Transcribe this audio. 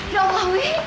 ya allah wi